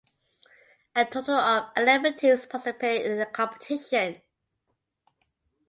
A total of eleven teams participated in the competition.